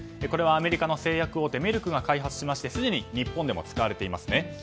これはアメリカの製薬大手メルクが開発しましてすでに日本でも使われていますね。